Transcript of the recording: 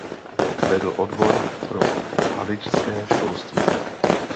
Vedl odbor pro haličské školství.